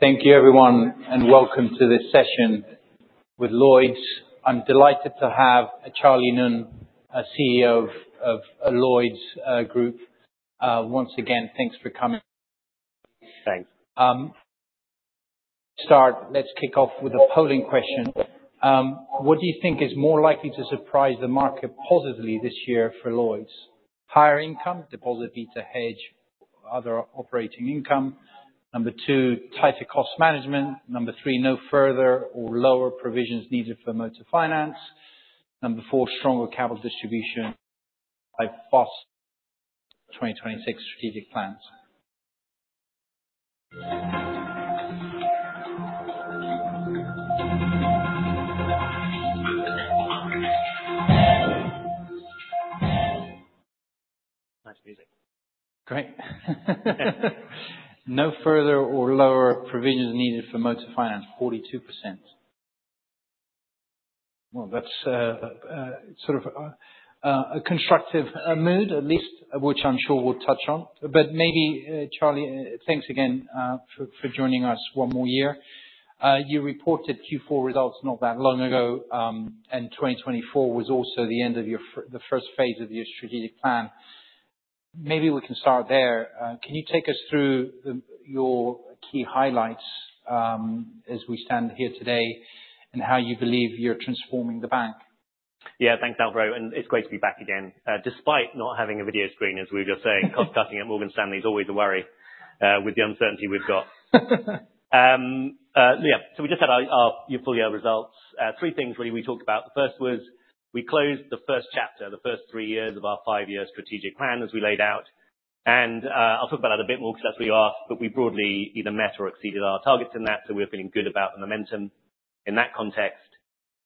Thank you, everyone, and welcome to this session with Lloyds. I'm delighted to have Charlie Nunn, CEO of Lloyds Group. Once again, thanks for coming. Thanks. Let's kick off with a polling question. What do you think is more likely to surprise the market positively this year for Lloyds? Higher income, deposit beta hedge, other operating income. Number two, tighter cost management. Number three, no further or lower provisions needed for motor finance. Number four, stronger capital distribution by FOSS 2026 strategic plans. Nice music. Great. No further or lower provisions needed for motor finance, 42%. That is sort of a constructive mood, at least, which I am sure we will touch on. Maybe, Charlie, thanks again for joining us one more year. You reported Q4 results not that long ago, and 2024 was also the end of the first phase of your strategic plan. Maybe we can start there. Can you take us through your key highlights as we stand here today and how you believe you are transforming the bank? Yeah, thanks, Alvaro. It's great to be back again. Despite not having a video screen, as we were just saying, cost-cutting at Morgan Stanley is always a worry with the uncertainty we've got. We just had our full year results. Three things really we talked about. The first was we closed the first chapter, the first three years of our five-year strategic plan, as we laid out. I'll talk about that a bit more because that's what you asked, but we broadly either met or exceeded our targets in that, so we're feeling good about the momentum in that context.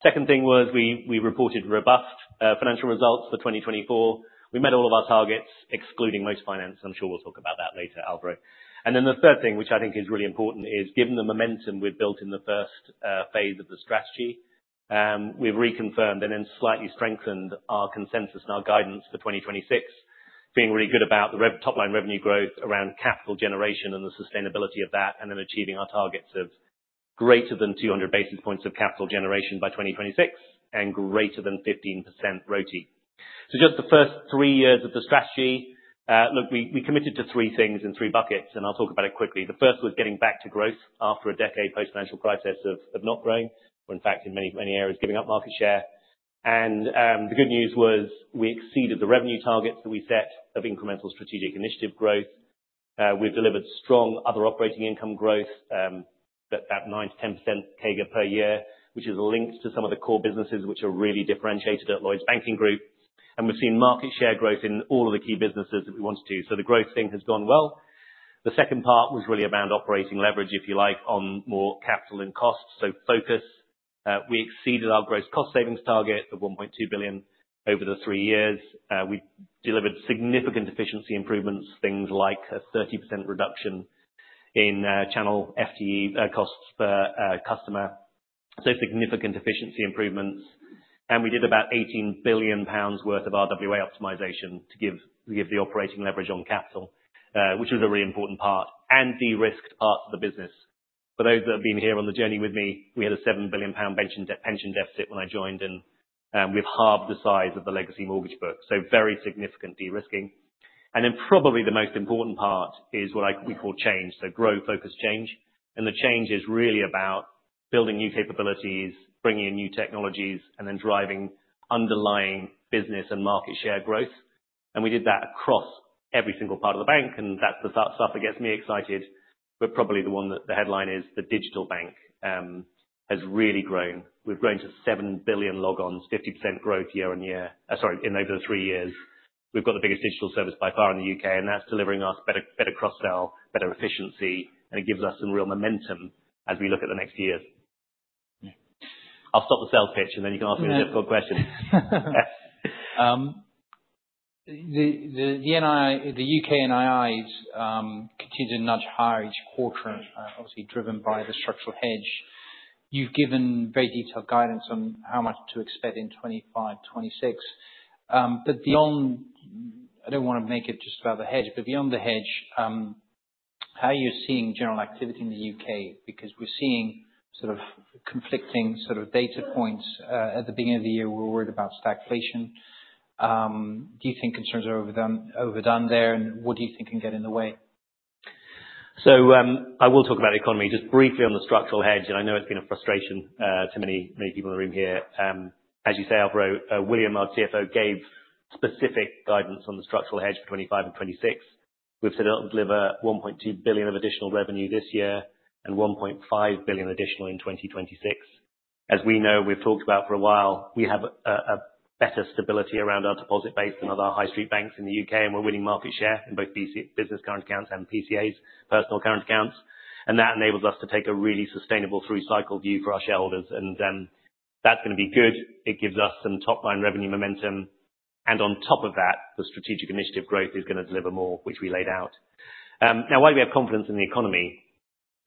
The second thing was we reported robust financial results for 2024. We met all of our targets, excluding motor finance. I'm sure we'll talk about that later, Alvaro. The third thing, which I think is really important, is given the momentum we have built in the first phase of the strategy, we have reconfirmed and then slightly strengthened our consensus and our guidance for 2026, feeling really good about the top-line revenue growth around capital generation and the sustainability of that, and then achieving our targets of greater than 200 basis points of capital generation by 2026 and greater than 15% RoTE. Just the first three years of the strategy, look, we committed to three things in three buckets, and I will talk about it quickly. The first was getting back to growth after a decade post-financial crisis of not growing, or in fact, in many, many areas, giving up market share. The good news was we exceeded the revenue targets that we set of incremental strategic initiative growth. We've delivered strong other operating income growth, that 9,-10% CAGR per year, which is linked to some of the core businesses which are really differentiated at Lloyds Banking Group. We've seen market share growth in all of the key businesses that we wanted to. The growth thing has gone well. The second part was really around operating leverage, if you like, on more capital and costs. Focus, we exceeded our gross cost savings target of 1.2 billion over the three years. We delivered significant efficiency improvements, things like a 30% reduction in channel FTE costs per customer. Significant efficiency improvements. We did about 18 billion pounds worth of RWA optimization to give the operating leverage on capital, which was a really important part, and de-risked parts of the business. For those that have been here on the journey with me, we had a 7 billion pound pension deficit when I joined, and we've halved the size of the legacy mortgage book. Very significant de-risking. Probably the most important part is what we call change, growth-focused change. The change is really about building new capabilities, bringing in new technologies, and driving underlying business and market share growth. We did that across every single part of the bank, and that's the stuff that gets me excited. Probably the one that the headline is, the digital bank has really grown. We've grown to 7 billion logons, 50% growth year on year, sorry, in over three years. We've got the biggest digital service by far in the U.K., and that's delivering us better cross-sell, better efficiency, and it gives us some real momentum as we look at the next year. I'll stop the sales pitch, and then you can ask me the difficult question. The U.K. NIIs continue to nudge higher each quarter, obviously driven by the structural hedge. You've given very detailed guidance on how much to expect in 2025, 2026. Beyond, I don't want to make it just about the hedge, but beyond the hedge, how are you seeing general activity in the U.K.? Because we're seeing sort of conflicting sort of data points. At the beginning of the year, we were worried about stagflation. Do you think concerns are overdone there, and what do you think can get in the way? I will talk about the economy just briefly on the structural hedge, and I know it's been a frustration to many people in the room here. As you say, Alvaro, William Chalmers, our CFO, gave specific guidance on the structural hedge for 2025 and 2026. We've said it'll deliver 1.2 billion of additional revenue this year and 1.5 billion additional in 2026. As we know, we've talked about for a while, we have a better stability around our deposit base than other high-street banks in the U.K., and we're winning market share in both business current accounts and PCAs, personal current accounts. That enables us to take a really sustainable three-cycle view for our shareholders, and that's going to be good. It gives us some top-line revenue momentum. On top of that, the strategic initiative growth is going to deliver more, which we laid out. Now, why do we have confidence in the economy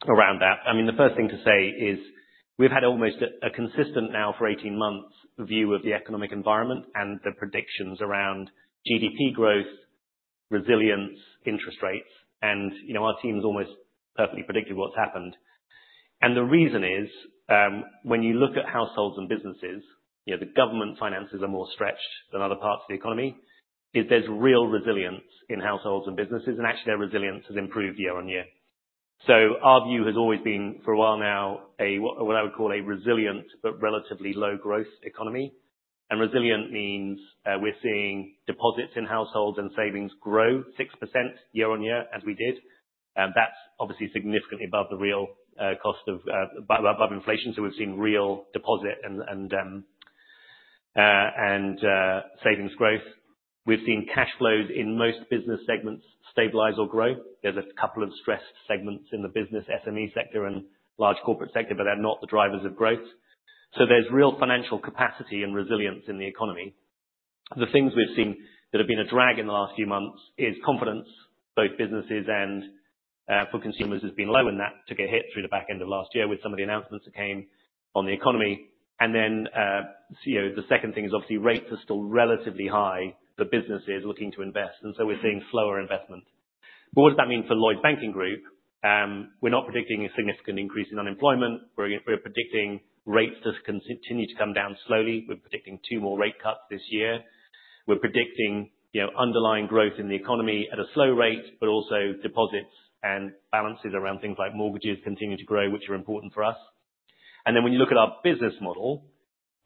around that? I mean, the first thing to say is we've had almost a consistent now for 18 months view of the economic environment and the predictions around GDP growth, resilience, interest rates. Our team has almost perfectly predicted what's happened. The reason is when you look at households and businesses, the government finances are more stretched than other parts of the economy, is there's real resilience in households and businesses, and actually their resilience has improved year on year. Our view has always been for a while now what I would call a resilient but relatively low-growth economy. Resilient means we're seeing deposits in households and savings grow 6% year on year as we did. That's obviously significantly above the real cost of above inflation. We've seen real deposit and savings growth. We've seen cash flows in most business segments stabilize or grow. There's a couple of stressed segments in the business SME sector and large corporate sector, but they're not the drivers of growth. So there's real financial capacity and resilience in the economy. The things we've seen that have been a drag in the last few months is confidence, both businesses and for consumers, has been low, and that took a hit through the back end of last year with some of the announcements that came on the economy. The second thing is obviously rates are still relatively high for businesses looking to invest, and so we're seeing slower investment. What does that mean for Lloyds Banking Group? We're not predicting a significant increase in unemployment. We're predicting rates to continue to come down slowly. We're predicting two more rate cuts this year. We're predicting underlying growth in the economy at a slow rate, but also deposits and balances around things like mortgages continue to grow, which are important for us. When you look at our business model,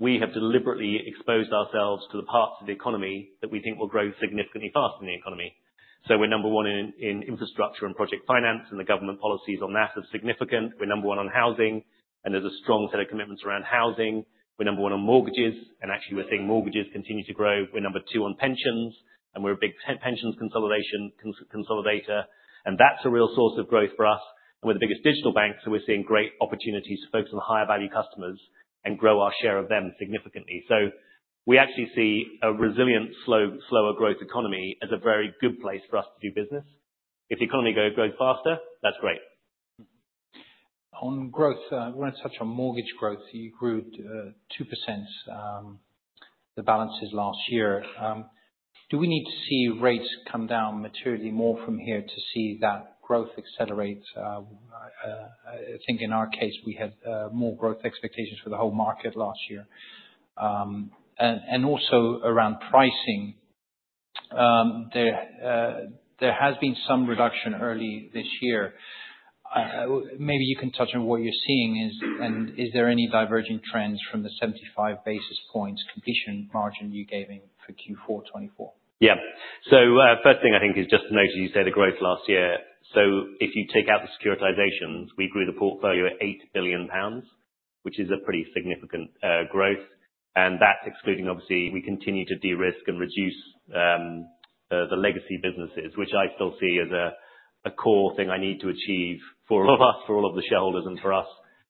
we have deliberately exposed ourselves to the parts of the economy that we think will grow significantly fast in the economy. We are number one in infrastructure and project finance, and the government policies on that are significant. We are number one on housing, and there is a strong set of commitments around housing. We are number one on mortgages, and actually we are seeing mortgages continue to grow. We are number two on pensions, and we are a big pensions consolidator, and that is a real source of growth for us. We are the biggest digital bank, so we are seeing great opportunities to focus on higher-value customers and grow our share of them significantly. We actually see a resilient, slower-growth economy as a very good place for us to do business. If the economy grows faster, that's great. On growth, we want to touch on mortgage growth. You grew 2%, the balances, last year. Do we need to see rates come down materially more from here to see that growth accelerate? I think in our case, we had more growth expectations for the whole market last year. Also around pricing, there has been some reduction early this year. Maybe you can touch on what you're seeing, and is there any diverging trends from the 75 basis points completion margin you gave for Q4 2024? Yeah. First thing I think is just to note as you say the growth last year. If you take out the securitizations, we grew the portfolio at 8 billion pounds, which is a pretty significant growth. That is excluding, obviously, we continue to de-risk and reduce the legacy businesses, which I still see as a core thing I need to achieve for all of us, for all of the shareholders, and for us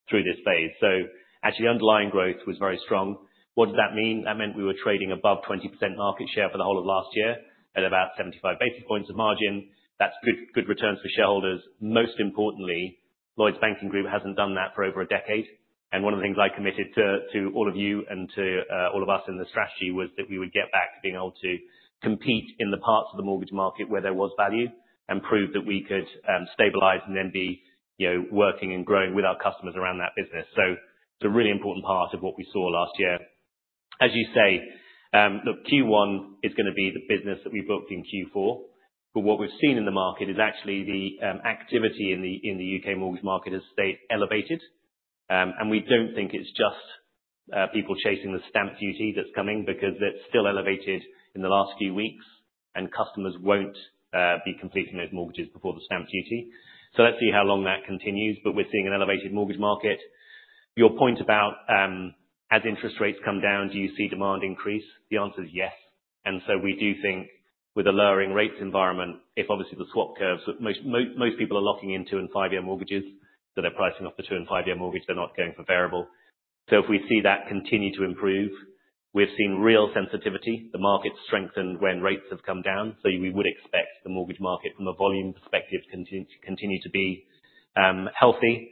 through this phase. Actually, underlying growth was very strong. What did that mean? That meant we were trading above 20% market share for the whole of last year at about 75 basis points of margin. That is good returns for shareholders. Most importantly, Lloyds Banking Group has not done that for over a decade. One of the things I committed to all of you and to all of us in the strategy was that we would get back to being able to compete in the parts of the mortgage market where there was value and prove that we could stabilize and then be working and growing with our customers around that business. It is a really important part of what we saw last year. As you say, look, Q1 is going to be the business that we booked in Q4, but what we have seen in the market is actually the activity in the U.K. mortgage market has stayed elevated. We do not think it is just people chasing the stamp duty that is coming because it is still elevated in the last few weeks, and customers will not be completing those mortgages before the stamp duty. Let's see how long that continues, but we're seeing an elevated mortgage market. Your point about as interest rates come down, do you see demand increase? The answer is yes. We do think with a lowering rates environment, if obviously the swap curves, most people are locking into in five-year mortgages, so they're pricing off the two- and five-year mortgage, they're not going for variable. If we see that continue to improve, we've seen real sensitivity. The market's strengthened when rates have come down, so we would expect the mortgage market from a volume perspective to continue to be healthy.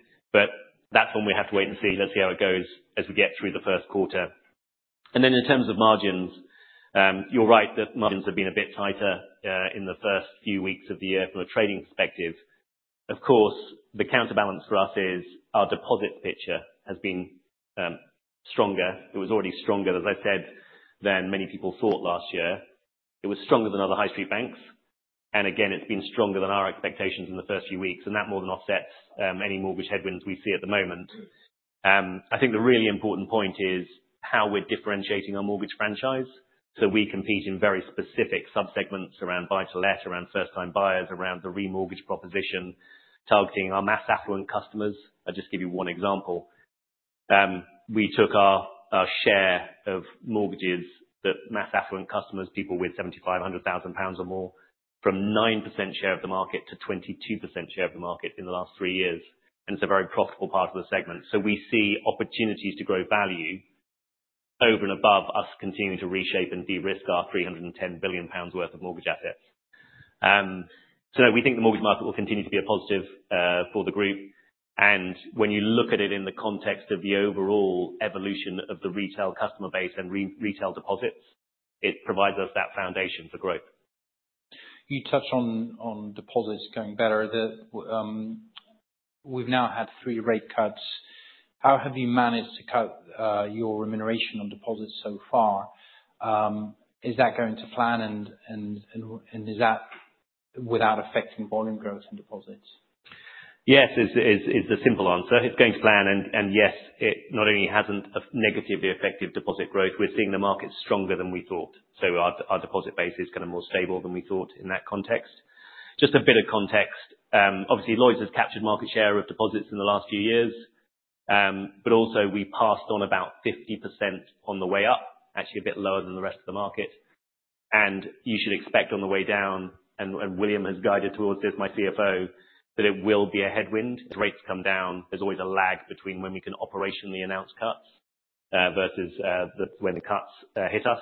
That's when we have to wait and see. Let's see how it goes as we get through the first quarter. In terms of margins, you're right that margins have been a bit tighter in the first few weeks of the year from a trading perspective. Of course, the counterbalance for us is our deposit picture has been stronger. It was already stronger, as I said, than many people thought last year. It was stronger than other high-street banks. Again, it's been stronger than our expectations in the first few weeks, and that more than offsets any mortgage headwinds we see at the moment. I think the really important point is how we're differentiating our mortgage franchise. We compete in very specific subsegments around buy-to-let, around first-time buyers, around the remortgage proposition, targeting our mass affluent customers. I'll just give you one example. We took our share of mortgages that mass affluent customers, people with 7,500,000 pounds or more, from 9% share of the market to 22% share of the market in the last three years. It is a very profitable part of the segment. We see opportunities to grow value over and above us continuing to reshape and de-risk our 310 billion pounds worth of mortgage assets. We think the mortgage market will continue to be a positive for the group. When you look at it in the context of the overall evolution of the retail customer base and retail deposits, it provides us that foundation for growth. You touch on deposits going better. We've now had three rate cuts. How have you managed to cut your remuneration on deposits so far? Is that going to plan, and is that without affecting volume growth in deposits? Yes, is the simple answer. It is going to plan, and yes, it not only has not negatively affected deposit growth, we are seeing the market stronger than we thought. Our deposit base is kind of more stable than we thought in that context. Just a bit of context. Obviously, Lloyds has captured market share of deposits in the last few years, but also we passed on about 50% on the way up, actually a bit lower than the rest of the market. You should expect on the way down, and William has guided towards this, my CFO, that it will be a headwind. As rates come down, there is always a lag between when we can operationally announce cuts versus when the cuts hit us.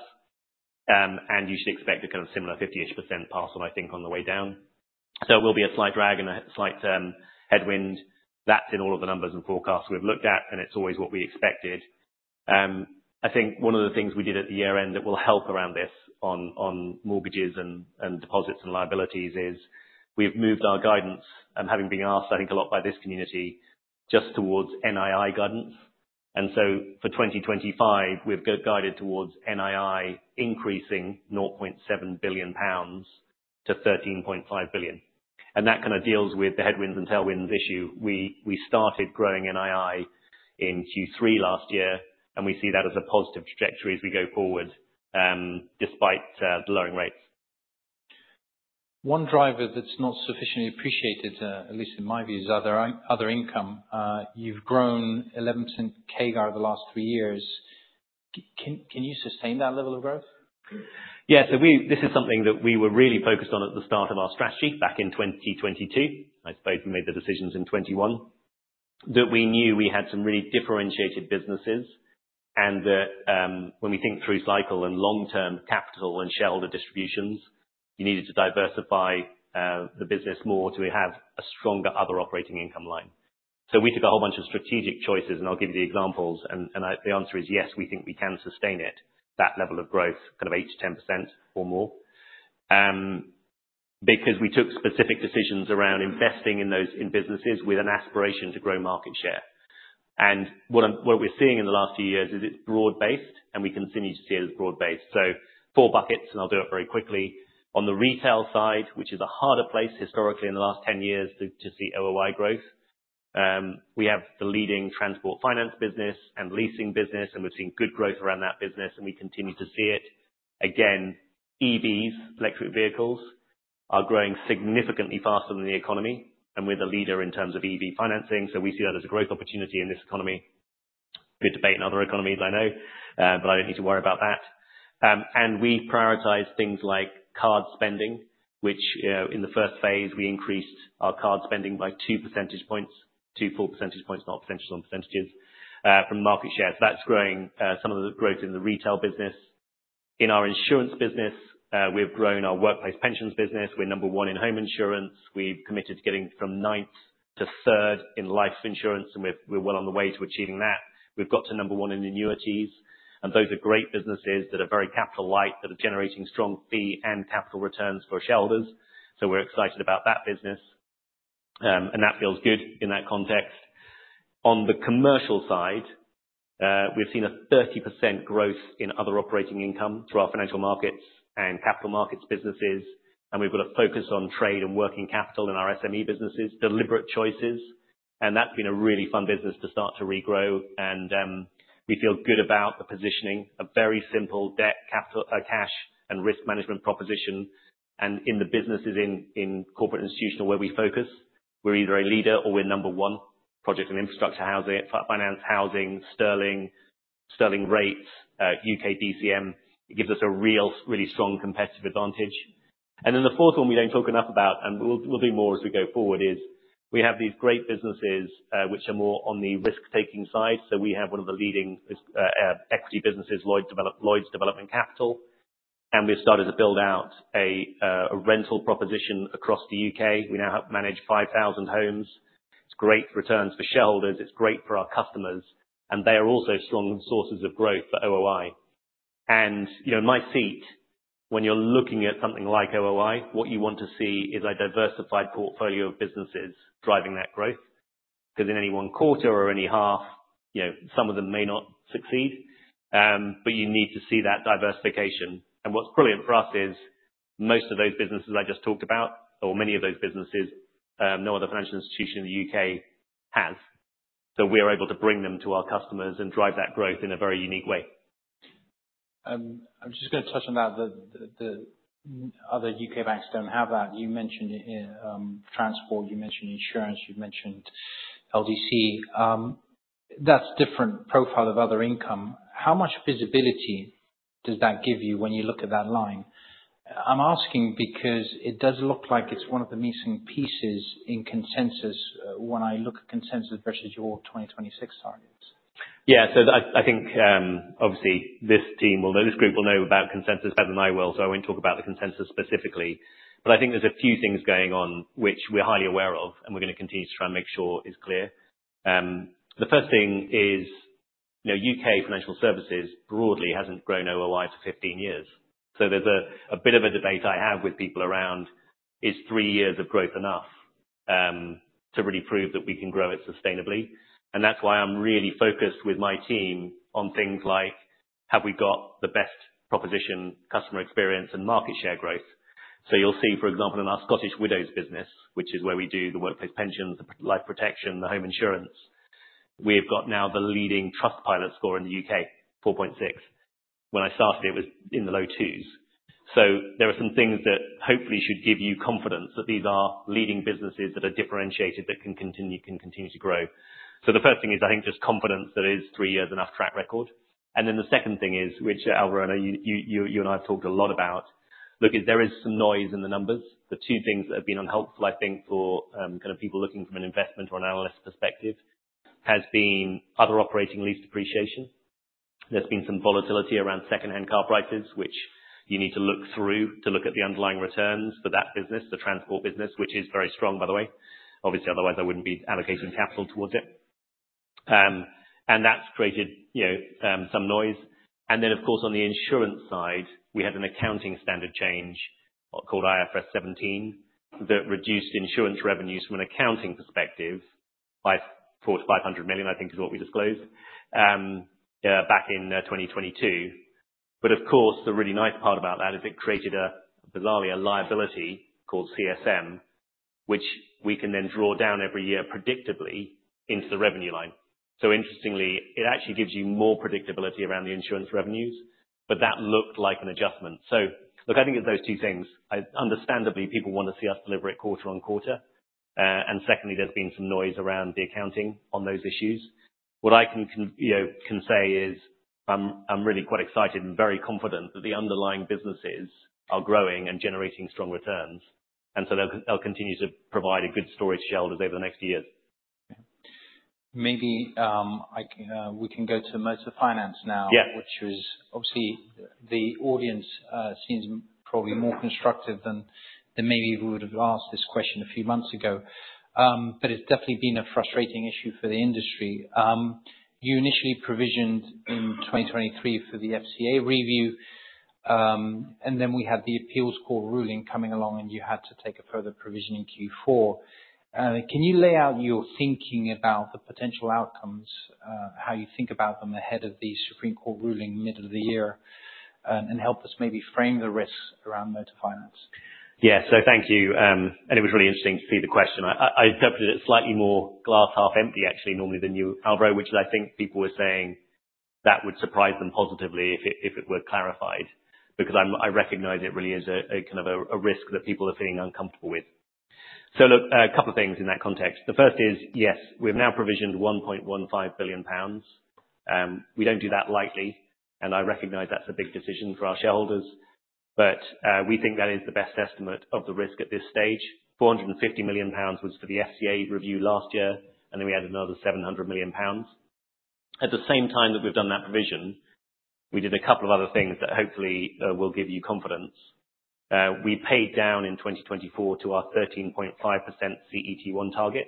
You should expect a kind of similar 50% pass on, I think, on the way down. It will be a slight drag and a slight headwind. That is in all of the numbers and forecasts we have looked at, and it is always what we expected. I think one of the things we did at the year-end that will help around this on mortgages and deposits and liabilities is we have moved our guidance, having been asked, I think, a lot by this community, just towards NII guidance. For 2025, we have guided towards NII increasing 0.7 billion pounds to 13.5 billion. That kind of deals with the headwinds and tailwinds issue. We started growing NII in Q3 last year, and we see that as a positive trajectory as we go forward despite the lowering rates. One driver that's not sufficiently appreciated, at least in my view, is other income. You've grown 11% CAGR over the last three years. Can you sustain that level of growth? Yeah. This is something that we were really focused on at the start of our strategy back in 2022. I suppose we made the decisions in 2021 that we knew we had some really differentiated businesses and that when we think through cycle and long-term capital and shareholder distributions, you needed to diversify the business more to have a stronger other operating income line. We took a whole bunch of strategic choices, and I'll give you the examples, and the answer is yes, we think we can sustain it, that level of growth, kind of 8-10% or more, because we took specific decisions around investing in those businesses with an aspiration to grow market share. What we are seeing in the last few years is it's broad-based, and we continue to see it as broad-based. Four buckets, and I'll do it very quickly. On the retail side, which is a harder place historically in the last 10 years to see OOI growth, we have the leading transport finance business and leasing business, and we've seen good growth around that business, and we continue to see it. EVs, electric vehicles, are growing significantly faster than the economy, and we're the leader in terms of EV financing, so we see that as a growth opportunity in this economy. Good debate in other economies, I know, but I don't need to worry about that. We prioritize things like card spending, which in the first phase, we increased our card spending by two percentage points, two full percentage points, not percentage on percentages, from market shares. That's growing some of the growth in the retail business. In our insurance business, we've grown our workplace pensions business. We're number one in home insurance. We've committed to getting from ninth to third in life insurance, and we're well on the way to achieving that. We've got to number one in annuities, and those are great businesses that are very capital-light, that are generating strong fee and capital returns for shareholders. We are excited about that business, and that feels good in that context. On the commercial side, we've seen a 30% growth in other operating income through our financial markets and capital markets businesses, and we've got a focus on trade and working capital in our SME businesses, deliberate choices, and that's been a really fun business to start to regrow. We feel good about the positioning, a very simple debt, cash, and risk management proposition. In the businesses in corporate institutional where we focus, we're either a leader or we're number one: project and infrastructure housing, finance housing, Sterling, Sterling rates, U.K. DCM. It gives us a really strong competitive advantage. The fourth one we don't talk enough about, and we'll do more as we go forward, is we have these great businesses which are more on the risk-taking side. We have one of the leading equity businesses, Lloyds Development Capital, and we've started to build out a rental proposition across the U.K. We now have managed 5,000 homes. It's great returns for shareholders. It's great for our customers, and they are also strong sources of growth for OOI. In my seat, when you're looking at something like OOI, what you want to see is a diversified portfolio of businesses driving that growth, because in any one quarter or any half, some of them may not succeed, but you need to see that diversification. What's brilliant for us is most of those businesses I just talked about, or many of those businesses, no other financial institution in the U.K. has. We are able to bring them to our customers and drive that growth in a very unique way. I'm just going to touch on that. The other U.K. banks don't have that. You mentioned transport. You mentioned insurance. You mentioned LDC. That's a different profile of other income. How much visibility does that give you when you look at that line? I'm asking because it does look like it's one of the missing pieces in consensus when I look at consensus versus your 2026 targets. Yeah. I think, obviously, this team will know, this group will know about consensus better than I will, so I will not talk about the consensus specifically. I think there are a few things going on which we are highly aware of, and we are going to continue to try and make sure is clear. The first thing is U.K. financial services broadly has not grown OOI for 15 years. There is a bit of a debate I have with people around, is three years of growth enough to really prove that we can grow it sustainably? That is why I am really focused with my team on things like, have we got the best proposition, customer experience, and market share growth? You'll see, for example, in our Scottish Widows business, which is where we do the workplace pensions, the life protection, the home insurance, we've got now the leading Trustpilot score in the U.K., 4.6. When I started, it was in the low twos. There are some things that hopefully should give you confidence that these are leading businesses that are differentiated that can continue to grow. The first thing is, I think, just confidence that it is three years enough track record. The second thing is, which, Alvaro, I know you and I have talked a lot about, look, there is some noise in the numbers. The two things that have been unhelpful, I think, for kind of people looking from an investment or an analyst perspective has been other operating lease depreciation. There's been some volatility around secondhand car prices, which you need to look through to look at the underlying returns for that business, the transport business, which is very strong, by the way. Obviously, otherwise, I wouldn't be allocating capital towards it. That's created some noise. On the insurance side, we had an accounting standard change called IFRS 17 that reduced insurance revenues from an accounting perspective by 400 million-500 million, I think, is what we disclosed back in 2022. The really nice part about that is it created, bizarrely, a liability called CSM, which we can then draw down every year predictably into the revenue line. Interestingly, it actually gives you more predictability around the insurance revenues, but that looked like an adjustment. I think it's those two things. Understandably, people want to see us deliver it quarter on quarter. Secondly, there's been some noise around the accounting on those issues. What I can say is I'm really quite excited and very confident that the underlying businesses are growing and generating strong returns, and so they'll continue to provide a good storage shelter over the next few years. Maybe we can go to motor finance now, which was obviously the audience seems probably more constructive than maybe we would have asked this question a few months ago, but it's definitely been a frustrating issue for the industry. You initially provisioned in 2023 for the FCA review, and then we had the appeals court ruling coming along, and you had to take a further provision in Q4. Can you lay out your thinking about the potential outcomes, how you think about them ahead of the Supreme Court ruling middle of the year, and help us maybe frame the risks around motor finance? Yeah. Thank you. It was really interesting to see the question. I interpreted it slightly more glass half empty, actually, normally than you, Alvaro, which I think people were saying that would surprise them positively if it were clarified, because I recognize it really is a kind of a risk that people are feeling uncomfortable with. Look, a couple of things in that context. The first is, yes, we've now provisioned 1.15 billion pounds. We do not do that lightly, and I recognize that's a big decision for our shareholders, but we think that is the best estimate of the risk at this stage. 450 million pounds was for the FCA review last year, and then we added another 700 million pounds. At the same time that we've done that provision, we did a couple of other things that hopefully will give you confidence. We paid down in 2024 to our 13.5% CET1 target,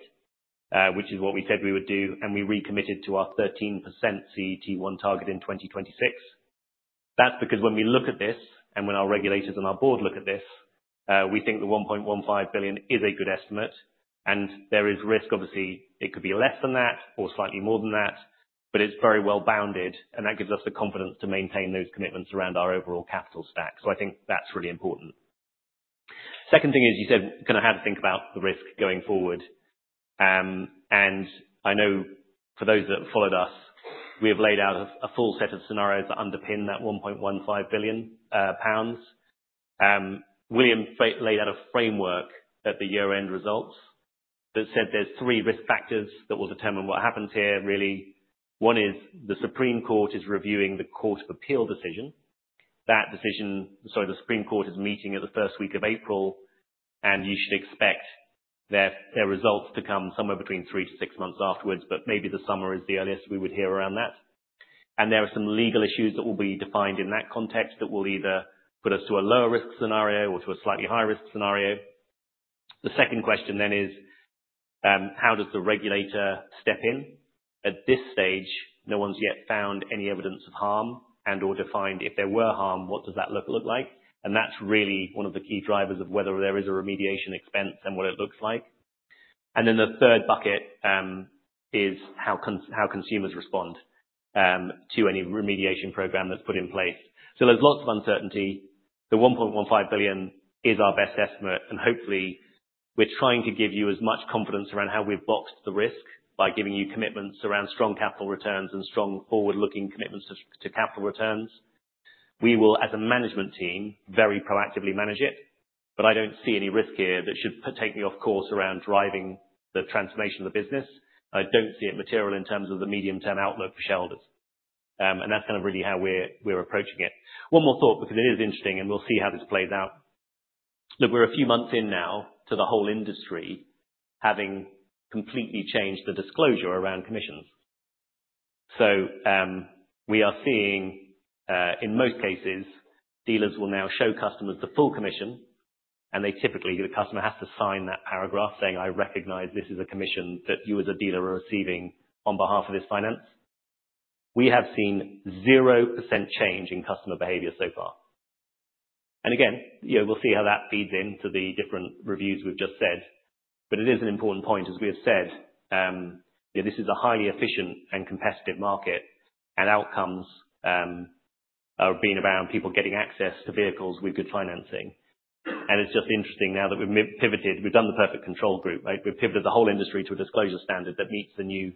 which is what we said we would do, and we recommitted to our 13% CET1 target in 2026. That is because when we look at this and when our regulators and our board look at this, we think the 1.15 billion is a good estimate, and there is risk, obviously, it could be less than that or slightly more than that, but it is very well bounded, and that gives us the confidence to maintain those commitments around our overall capital stack. I think that is really important. Second thing is, you said kind of how to think about the risk going forward. I know for those that have followed us, we have laid out a full set of scenarios that underpin that 1.15 billion pounds. William laid out a framework at the year-end results that said there's three risk factors that will determine what happens here, really. One is the Supreme Court is reviewing the Court of Appeal decision. That decision, sorry, the Supreme Court is meeting at the first week of April, and you should expect their results to come somewhere between three to six months afterwards, but maybe the summer is the earliest we would hear around that. There are some legal issues that will be defined in that context that will either put us to a lower risk scenario or to a slightly higher risk scenario. The second question then is, how does the regulator step in? At this stage, no one's yet found any evidence of harm and/or defined if there were harm, what does that look like? That is really one of the key drivers of whether there is a remediation expense and what it looks like. The third bucket is how consumers respond to any remediation program that is put in place. There is lots of uncertainty. 1.15 billion is our best estimate, and hopefully, we are trying to give you as much confidence around how we have boxed the risk by giving you commitments around strong capital returns and strong forward-looking commitments to capital returns. We will, as a management team, very proactively manage it, but I do not see any risk here that should take me off course around driving the transformation of the business. I do not see it as material in terms of the medium-term outlook for shareholders. That is really how we are approaching it. One more thought, because it is interesting, and we will see how this plays out. Look, we're a few months in now to the whole industry having completely changed the disclosure around commissions. We are seeing, in most cases, dealers will now show customers the full commission, and they typically, the customer has to sign that paragraph saying, "I recognize this is a commission that you as a dealer are receiving on behalf of this finance." We have seen 0% change in customer behavior so far. We will see how that feeds into the different reviews we have just said, but it is an important point, as we have said, this is a highly efficient and competitive market, and outcomes are being around people getting access to vehicles with good financing. It is just interesting now that we have pivoted, we have done the perfect control group, right? We've pivoted the whole industry to a disclosure standard that meets the new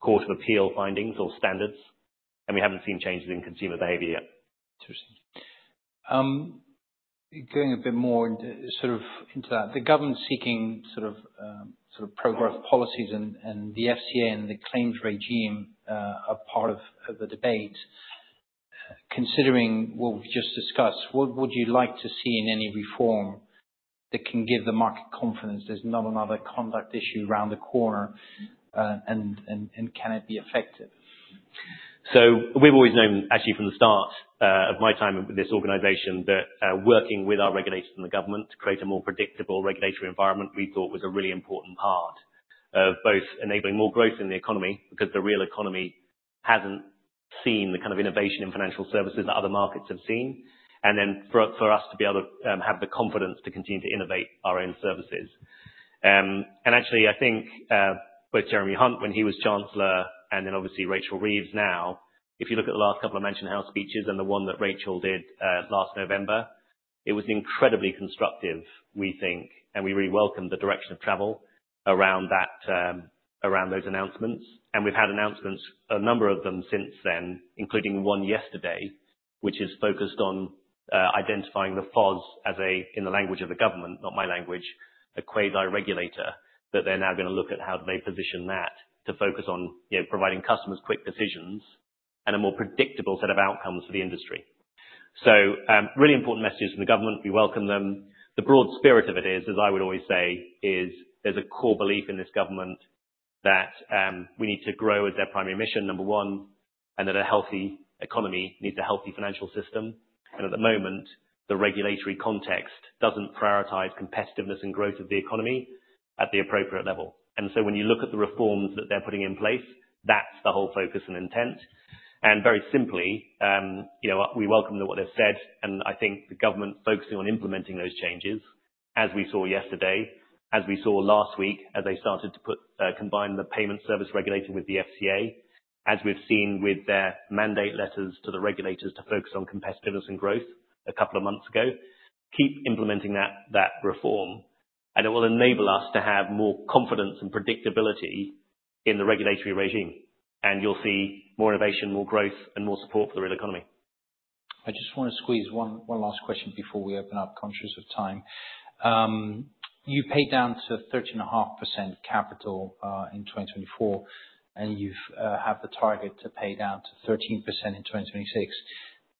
Court of Appeal findings or standards, and we haven't seen changes in consumer behavior yet. Interesting. Going a bit more sort of into that, the government seeking sort of pro-growth policies and the FCA and the claims regime are part of the debate. Considering what we've just discussed, what would you like to see in any reform that can give the market confidence there's not another conduct issue around the corner, and can it be effective? We have always known, actually, from the start of my time with this organization that working with our regulators and the government to create a more predictable regulatory environment we thought was a really important part of both enabling more growth in the economy because the real economy has not seen the kind of innovation in financial services that other markets have seen, and then for us to be able to have the confidence to continue to innovate our own services. Actually, I think both Jeremy Hunt when he was Chancellor and then obviously Rachel Reeves now, if you look at the last couple of Mansion House speeches and the one that Rachel did last November, it was incredibly constructive, we think, and we really welcome the direction of travel around those announcements. We have had announcements, a number of them since then, including one yesterday, which is focused on identifying the FOSS as a, in the language of the government, not my language, a quasi-regulator, that they are now going to look at how they position that to focus on providing customers quick decisions and a more predictable set of outcomes for the industry. Really important messages from the government. We welcome them. The broad spirit of it is, as I would always say, there is a core belief in this government that we need to grow as their primary mission, number one, and that a healthy economy needs a healthy financial system. At the moment, the regulatory context does not prioritize competitiveness and growth of the economy at the appropriate level. When you look at the reforms that they are putting in place, that is the whole focus and intent. Very simply, we welcome what they've said, and I think the government focusing on implementing those changes, as we saw yesterday, as we saw last week as they started to combine the Payment Service Regulator with the FCA, as we've seen with their mandate letters to the regulators to focus on competitiveness and growth a couple of months ago, keep implementing that reform, and it will enable us to have more confidence and predictability in the regulatory regime. You'll see more innovation, more growth, and more support for the real economy. I just want to squeeze one last question before we open up, conscious of time. You paid down to 13.5% capital in 2024, and you have the target to pay down to 13% in 2026.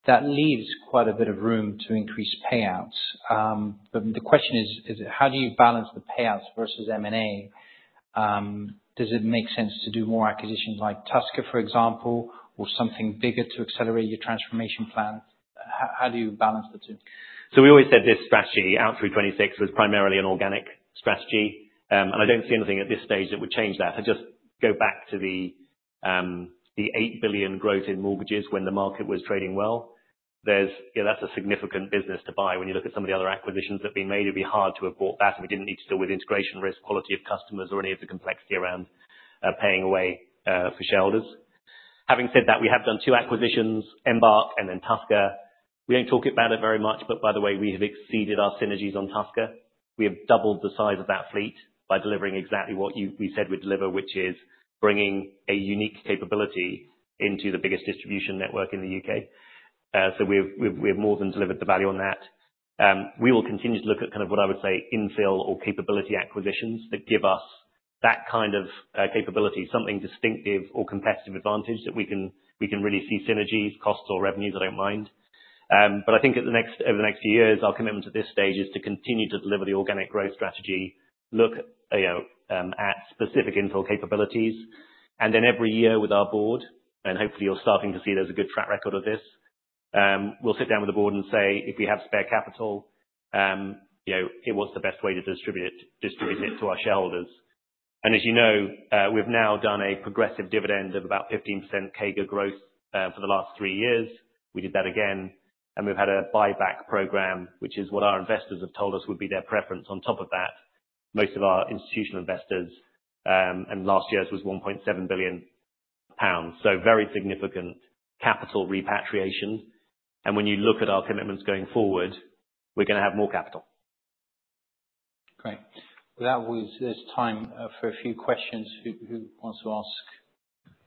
That leaves quite a bit of room to increase payouts. The question is, how do you balance the payouts versus M&A? Does it make sense to do more acquisitions like Tusker, for example, or something bigger to accelerate your transformation plan? How do you balance the two? We always said this strategy out through 2026 was primarily an organic strategy, and I do not see anything at this stage that would change that. I just go back to the 8 billion growth in mortgages when the market was trading well. That is a significant business to buy. When you look at some of the other acquisitions that have been made, it would be hard to have bought that, and we did not need to deal with integration risk, quality of customers, or any of the complexity around paying away for shareholders. Having said that, we have done two acquisitions, Embark and then Tusker. We do not talk about it very much, but by the way, we have exceeded our synergies on Tusker. We have doubled the size of that fleet by delivering exactly what we said we'd deliver, which is bringing a unique capability into the biggest distribution network in the U.K. We have more than delivered the value on that. We will continue to look at kind of what I would say infill or capability acquisitions that give us that kind of capability, something distinctive or competitive advantage that we can really see synergies, costs, or revenues, I don't mind. I think over the next few years, our commitment at this stage is to continue to deliver the organic growth strategy, look at specific infill capabilities, and then every year with our board, and hopefully you're starting to see there's a good track record of this, we'll sit down with the board and say, "If we have spare capital, what's the best way to distribute it to our shareholders?" As you know, we've now done a progressive dividend of about 15% CAGR growth for the last three years. We did that again, and we've had a buyback program, which is what our investors have told us would be their preference on top of that. Most of our institutional investors, and last year's was 1.7 billion pounds. Very significant capital repatriation. When you look at our commitments going forward, we're going to have more capital. Great. That was time for a few questions. Who wants to ask?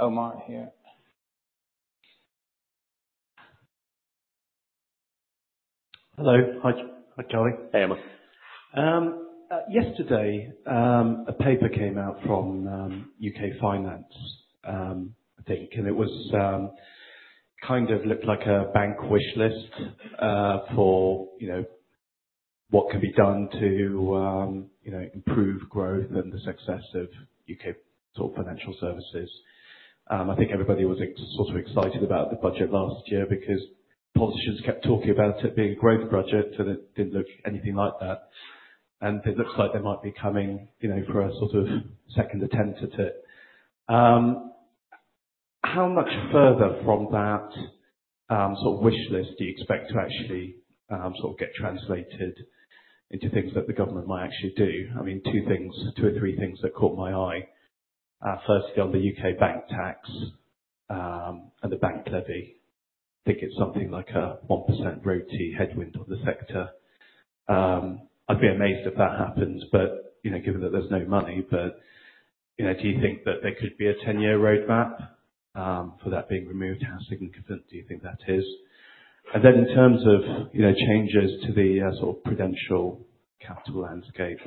Omar here. Hello. Hi, Charlie. Hey, Omar. Yesterday, a paper came out from UK Finance, I think, and it kind of looked like a bank wish list for what could be done to improve growth and the success of UK sort of financial services. I think everybody was sort of excited about the budget last year because politicians kept talking about it being a growth budget, and it did not look anything like that. It looks like they might be coming for a sort of second attempt at it. How much further from that sort of wish list do you expect to actually sort of get translated into things that the government might actually do? I mean, two or three things that caught my eye. Firstly, on the UK bank tax and the bank levy, I think it is something like a 1% royalty headwind on the sector. I'd be amazed if that happens, given that there's no money. Do you think that there could be a 10-year roadmap for that being removed? How significant do you think that is? In terms of changes to the sort of prudential capital landscape,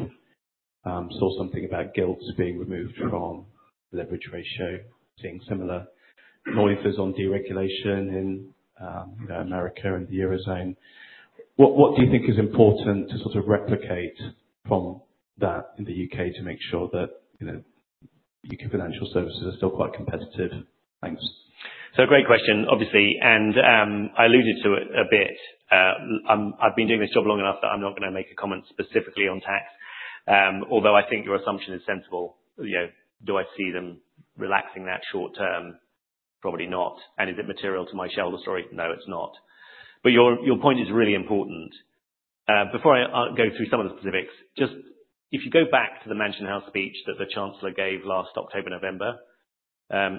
saw something about gilts being removed from leverage ratio, seeing similar noises on deregulation in America and the eurozone. What do you think is important to sort of replicate from that in the U.K. to make sure that U.K. financial services are still quite competitive? Thanks. Great question, obviously. I alluded to it a bit. I've been doing this job long enough that I'm not going to make a comment specifically on tax, although I think your assumption is sensible. Do I see them relaxing that short term? Probably not. Is it material to my shareholder story? No, it's not. Your point is really important. Before I go through some of the specifics, just if you go back to the Mansion House speech that the Chancellor gave last October, November,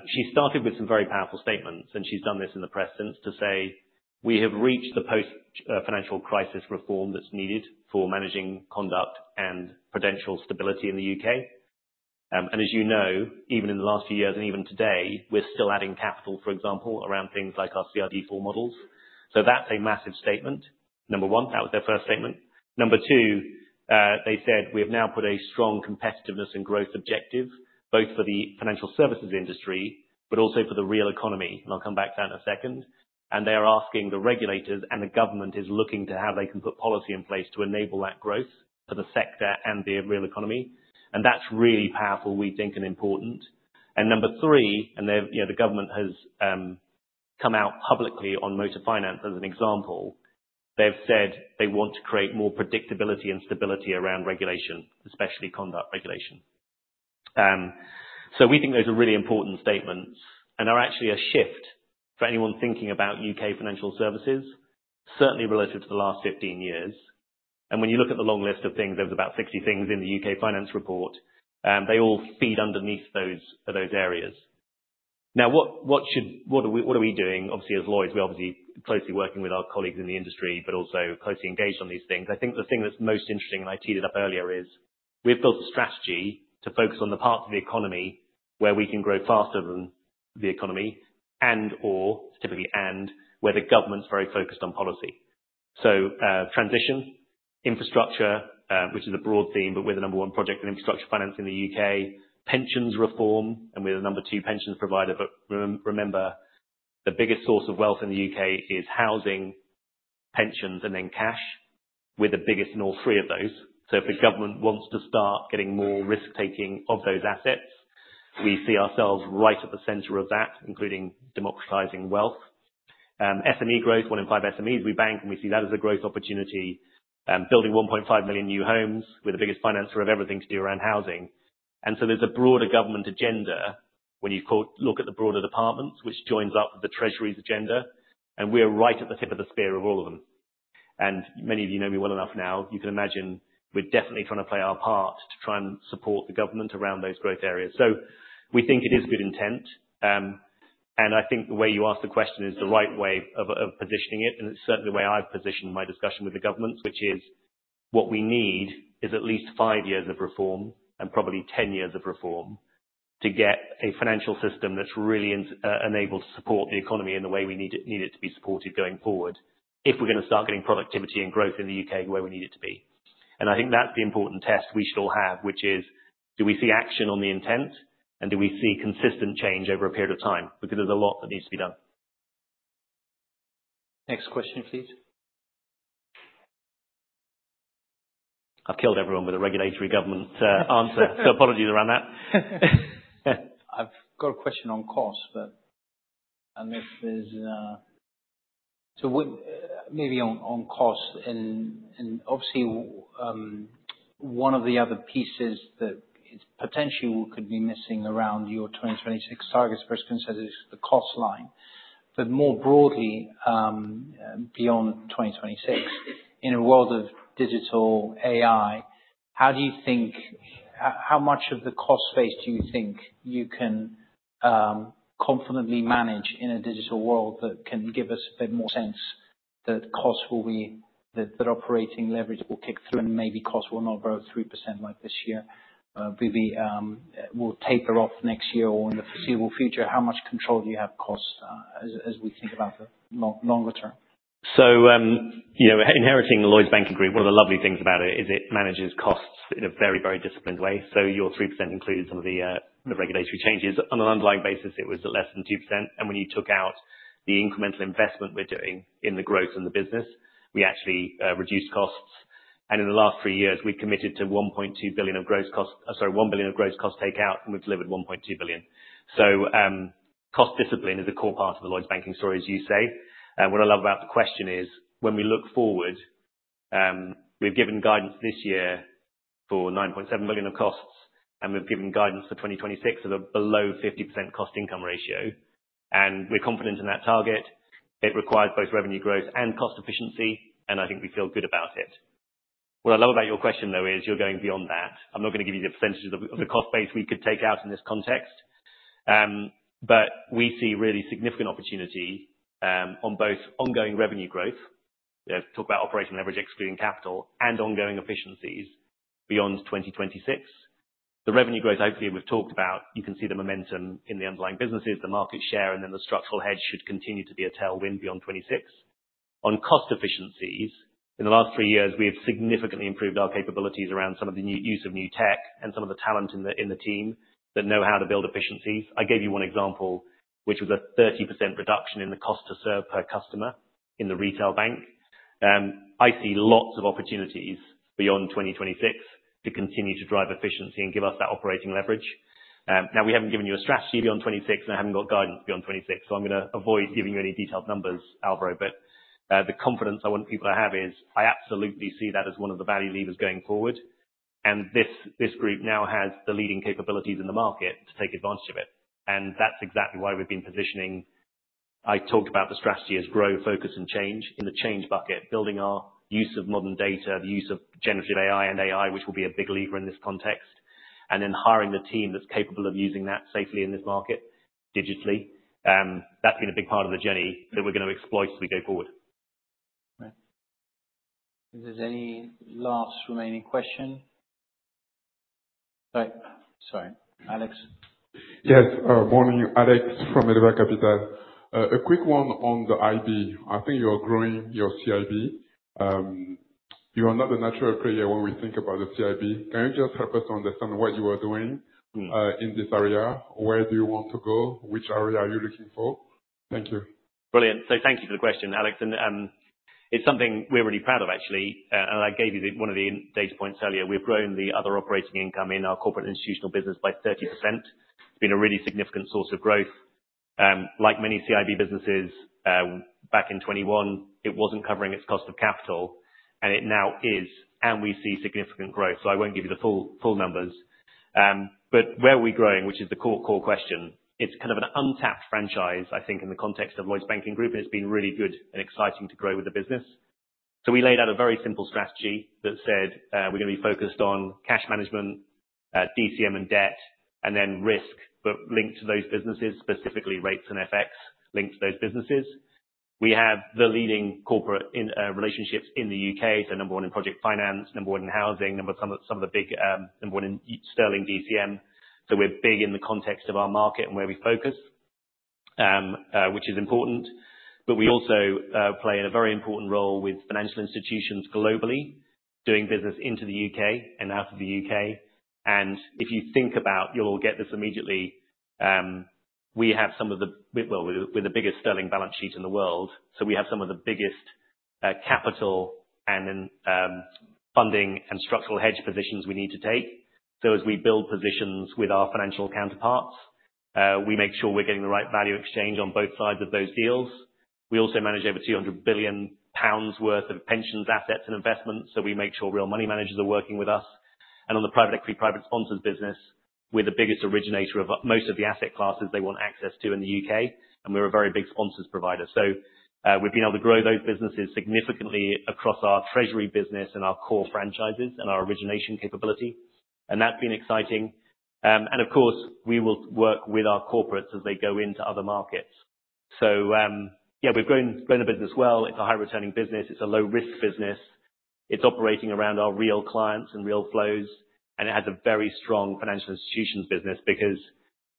she started with some very powerful statements, and she's done this in the press since to say, "We have reached the post-financial crisis reform that's needed for managing conduct and prudential stability in the U.K." As you know, even in the last few years and even today, we're still adding capital, for example, around things like our CRD4 models. That is a massive statement. Number one, that was their first statement. Number two, they said, "We have now put a strong competitiveness and growth objective, both for the financial services industry, but also for the real economy." I will come back to that in a second. They are asking the regulators, and the government is looking to how they can put policy in place to enable that growth for the sector and the real economy. That is really powerful, we think, and important. Number three, the government has come out publicly on motor finance as an example. They said they want to create more predictability and stability around regulation, especially conduct regulation. We think those are really important statements and are actually a shift for anyone thinking about U.K. financial services, certainly relative to the last 15 years. When you look at the long list of things, there was about 60 things in the UK Finance Report, and they all feed underneath those areas. Now, what are we doing? Obviously, as lawyers, we're closely working with our colleagues in the industry, but also closely engaged on these things. I think the thing that's most interesting, and I teed it up earlier, is we've built a strategy to focus on the parts of the economy where we can grow faster than the economy and/or typically and where the government's very focused on policy. Transition, infrastructure, which is a broad theme, but we're the number one project in infrastructure finance in the UK, pensions reform, and we're the number two pensions provider. Remember, the biggest source of wealth in the UK is housing, pensions, and then cash. We're the biggest in all three of those. If the government wants to start getting more risk-taking of those assets, we see ourselves right at the center of that, including democratizing wealth. SME growth, one in five SMEs, we bank, and we see that as a growth opportunity. Building 1.5 million new homes, we are the biggest financier of everything to do around housing. There is a broader government agenda when you look at the broader departments, which joins up with the Treasury's agenda, and we are right at the tip of the spear of all of them. Many of you know me well enough now, you can imagine we are definitely trying to play our part to try and support the government around those growth areas. We think it is good intent. I think the way you asked the question is the right way of positioning it, and it is certainly the way I have positioned my discussion with the government, which is what we need is at least five years of reform and probably 10 years of reform to get a financial system that is really enabled to support the economy in the way we need it to be supported going forward if we are going to start getting productivity and growth in the U.K. where we need it to be. I think that is the important test we should all have, which is, do we see action on the intent, and do we see consistent change over a period of time? Because there is a lot that needs to be done. Next question, please. I've killed everyone with a regulatory government answer, so apologies around that. I've got a question on cost, but unless there's so maybe on cost. Obviously, one of the other pieces that potentially could be missing around your 2026 targets, first concerns is the cost line. More broadly, beyond 2026, in a world of digital AI, how do you think how much of the cost space do you think you can confidently manage in a digital world that can give us a bit more sense that cost will be that operating leverage will kick through and maybe cost will not grow 3% like this year? Maybe we'll taper off next year or in the foreseeable future. How much control do you have cost as we think about the longer term? Inheriting Lloyds Banking Group, one of the lovely things about it is it manages costs in a very, very disciplined way. Your 3% included some of the regulatory changes. On an underlying basis, it was less than 2%. When you took out the incremental investment we are doing in the growth and the business, we actually reduced costs. In the last three years, we committed to 1.2 billion of gross costs, sorry, 1 billion of gross cost takeout, and we have delivered 1.2 billion. Cost discipline is a core part of the Lloyds Banking story, as you say. What I love about the question is, when we look forward, we have given guidance this year for 9.7 billion of costs, and we have given guidance for 2026 of a below 50% cost-income ratio. We are confident in that target. It requires both revenue growth and cost efficiency, and I think we feel good about it. What I love about your question, though, is you're going beyond that. I'm not going to give you the percentages of the cost base we could take out in this context, but we see really significant opportunity on both ongoing revenue growth. Talk about operating leverage, excluding capital, and ongoing efficiencies beyond 2026. The revenue growth, hopefully, we've talked about. You can see the momentum in the underlying businesses, the market share, and then the structural hedge should continue to be a tailwind beyond 2026. On cost efficiencies, in the last three years, we have significantly improved our capabilities around some of the use of new tech and some of the talent in the team that know how to build efficiencies. I gave you one example, which was a 30% reduction in the cost to serve per customer in the retail bank. I see lots of opportunities beyond 2026 to continue to drive efficiency and give us that operating leverage. We have not given you a strategy beyond 2026, and I have not got guidance beyond 2026, so I am going to avoid giving you any detailed numbers, Alvaro. The confidence I want people to have is I absolutely see that as one of the value levers going forward. This group now has the leading capabilities in the market to take advantage of it. That is exactly why we have been positioning. I talked about the strategy as grow, focus, and change. In the change bucket, building our use of modern data, the use of generative AI and AI, which will be a big lever in this context, and then hiring the team that's capable of using that safely in this market digitally. That's been a big part of the journey that we're going to exploit as we go forward. Right. Is there any last remaining question? Sorry, Alex. Yes, morning, Alex from Edward Capital. A quick one on the IB. I think you are growing your CIB. You are not a natural player when we think about the CIB. Can you just help us to understand what you are doing in this area? Where do you want to go? Which area are you looking for? Thank you. Brilliant. Thank you for the question, Alex. It's something we're really proud of, actually. I gave you one of the data points earlier. We've grown the other operating income in our corporate institutional business by 30%. It's been a really significant source of growth. Like many CIB businesses, back in 2021, it wasn't covering its cost of capital, and it now is, and we see significant growth. I won't give you the full numbers. Where are we growing, which is the core question? It's kind of an untapped franchise, I think, in the context of Lloyds Banking Group, and it's been really good and exciting to grow with the business. We laid out a very simple strategy that said we're going to be focused on cash management, DCM and debt, and then risk, but linked to those businesses, specifically rates and FX linked to those businesses. We have the leading corporate relationships in the U.K. Number one in project finance, number one in housing, number one in Sterling DCM. We are big in the context of our market and where we focus, which is important. We also play a very important role with financial institutions globally doing business into the U.K. and out of the U.K. If you think about it, you'll get this immediately, we have some of the, well, we're the biggest Sterling balance sheet in the world. We have some of the biggest capital and funding and structural hedge positions we need to take. As we build positions with our financial counterparts, we make sure we're getting the right value exchange on both sides of those deals. We also manage over 200 billion pounds worth of pensions, assets, and investments. We make sure Real Money managers are working with us. On the private equity, private sponsors business, we're the biggest originator of most of the asset classes they want access to in the U.K., and we're a very big sponsors provider. We have been able to grow those businesses significantly across our Treasury business and our core franchises and our origination capability. That has been exciting. Of course, we will work with our corporates as they go into other markets. We have grown the business well. It's a high-returning business. It's a low-risk business. It's operating around our real clients and real flows. It has a very strong financial institutions business because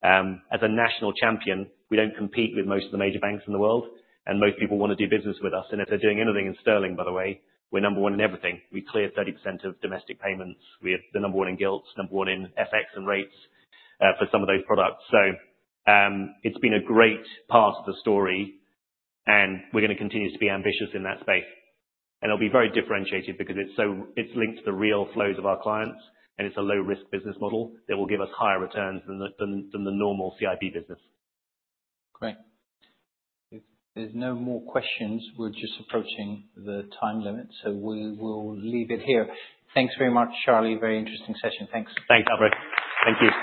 as a national champion, we do not compete with most of the major banks in the world. Most people want to do business with us. If they are doing anything in GBP, by the way, we are number one in everything. We clear 30% of domestic payments. We are the number one in gilts, number one in FX and rates for some of those products. It has been a great part of the story, and we are going to continue to be ambitious in that space. It will be very differentiated because it is linked to the real flows of our clients, and it is a low-risk business model that will give us higher returns than the normal CIB business. Great. There's no more questions. We're just approaching the time limit, so we'll leave it here. Thanks very much, Charlie. Very interesting session. Thanks. Thanks, Alvaro. Thank you.